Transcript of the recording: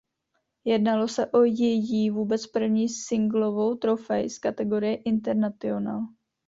Jednalo se o její vůbec první singlovou trofej z kategorie International.